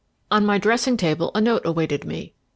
On my dressing table a note awaited me.